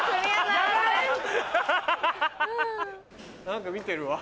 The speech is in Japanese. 何か見てるわ。